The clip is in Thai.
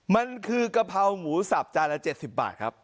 มันคือกะเพราหมูสับจานละ๗๐บาทครับ